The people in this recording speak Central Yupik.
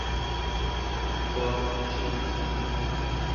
quagci